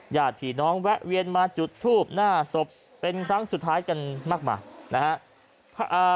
ญาติผีน้องแวะเวียนมาจุดทูบหน้าศพเป็นครั้งสุดท้ายกันมากมายนะฮะ